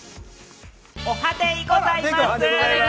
おはデイございます！